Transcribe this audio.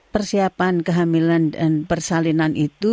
persiapan kehamilan dan persalinan itu